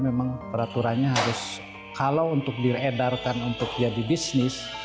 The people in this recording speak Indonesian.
memang peraturannya harus kalau untuk diredarkan untuk jadi bisnis